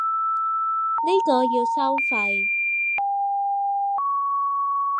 呢個要收費